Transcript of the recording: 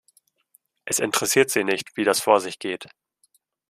Es interessiert sie nicht, wie das vor sich geht.